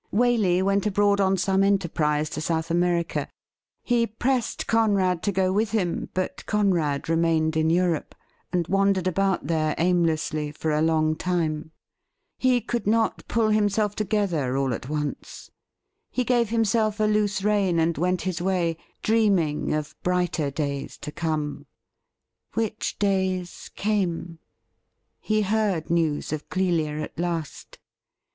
Waley went abroad on some enterprise to South America. He pressed Conrad to go with him, but Conrad remained in Europe, and wandered about there aimlessly for a long time. He could not pull himself together all at once. He gave himself a loose rein and went his way, dreaming of brighter days to come — which days came. He heard news of Clelia at last.